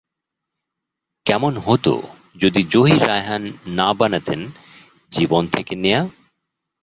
কেমন হতো যদি জহির রায়হান না বানাতেন জীবন থেকে নেয়া?